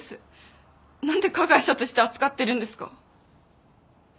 何で加害者として扱ってるんですか？